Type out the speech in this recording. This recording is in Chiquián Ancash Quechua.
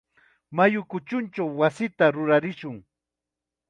Mayu kuchunchaw wasita rurarishun.